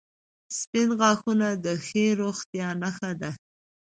• سپین غاښونه د ښې روغتیا نښه ده.